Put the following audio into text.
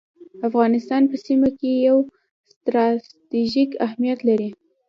افغانستان په سیمه کي یو ستراتیژیک اهمیت لري